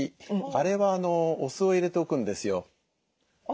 あれはお酢を入れておくんですよ。